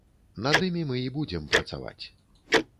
Над імі мы і будзем працаваць.